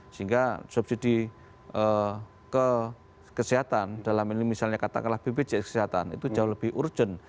sehingga subsidi kesehatan dalam ini misalnya katakanlah bpjs kesehatan itu jauh lebih urgent